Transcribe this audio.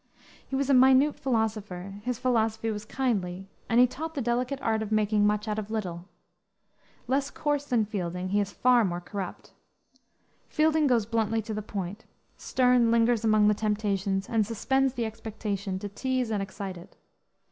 He was a minute philosopher, his philosophy was kindly, and he taught the delicate art of making much out of little. Less coarse than Fielding, he is far more corrupt. Fielding goes bluntly to the point; Sterne lingers among the temptations and suspends the expectation to tease and excite it.